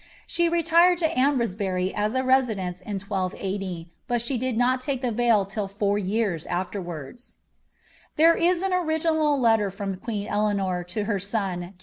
* She retired lo Ainbresbury as a residence in 1280, but she ilid not take the veil till four years afWrwanls. There is an original letter from queen Eleanor to her son, k.